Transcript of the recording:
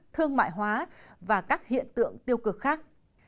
thương mại hóa và các hiện tượng tiêu cực khác